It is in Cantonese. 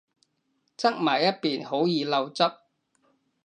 側埋一邊好易漏汁